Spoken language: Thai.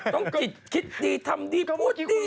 ต้องกิดคิดดีทำดีพูดดี